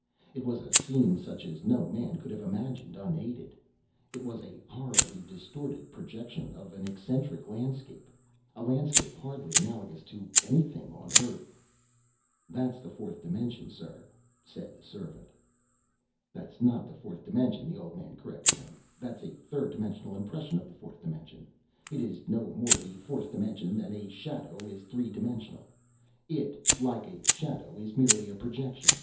It was a scene such as no man could have imagined unaided. It was a horribly distorted projection of an eccentric landscape, a landscape hardly analogous to anything on Earth. "That's the fourth dimension, sir," said the servant. "That's not the fourth dimension," the old man corrected him. "That's a third dimensional impression of the fourth dimension. It is no more the fourth dimension than a shadow is three dimensional. It, like a shadow, is merely a projection.